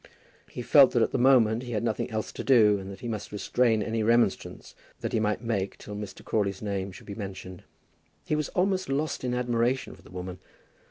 He felt that at the moment he had nothing else to do, and that he must restrain any remonstrance that he might make till Mr. Crawley's name should be mentioned. He was almost lost in admiration of the woman.